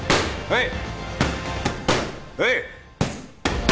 はい！